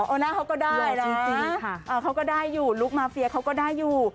โอน่าเขาก็ได้นะเขาก็ได้อยู่ลุคมาเฟียเขาก็ได้อยู่